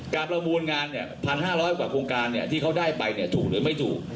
ประมูลงาน๑๕๐๐กว่าโครงการที่เขาได้ไปถูกหรือไม่ถูก